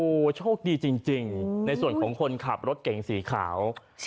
โอ้โหโชคดีจริงในส่วนของคนขับรถเก่งสีขาว